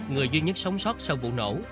người duy nhất sống sót sau vụ nổ